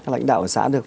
các lãnh đạo ở xã được